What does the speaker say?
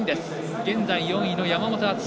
現在４位の山本篤。